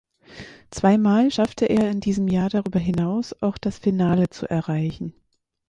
Zweimal schaffte er in diesem Jahr darüber hinaus auch das Finale zu erreichen.